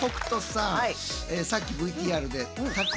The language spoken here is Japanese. さっきＶＴＲでタコ